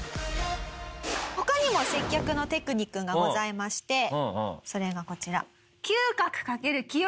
他にも接客のテクニックがございましてそれがこちら。